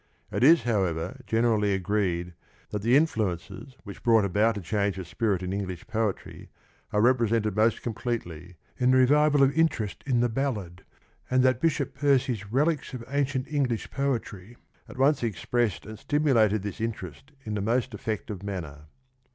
It is, however, generally agreed that the influences which brought about a change of spirit in English poetry are represented most completely in the revival of interest in the ballad, and that Bishop Percy's Reliques of Ancient English Poetry at once expressed and stimulated this interest in the most effective manner.